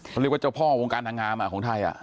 เขาเรียกว่าเจ้าพ่อวงการนางงามของไทย